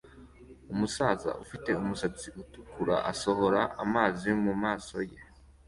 Umu saza ufite umusatsi utukura asohora amazi mumaso ye